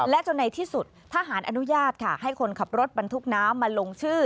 จนในที่สุดทหารอนุญาตค่ะให้คนขับรถบรรทุกน้ำมาลงชื่อ